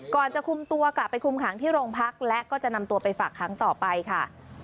จะคุมตัวกลับไปคุมขังที่โรงพักและก็จะนำตัวไปฝากค้างต่อไปค่ะ